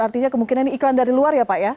artinya kemungkinan ini iklan dari luar ya pak ya